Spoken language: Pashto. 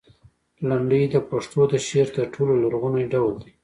لنډۍ د پښتو د شعر تر ټولو لرغونی ډول دی.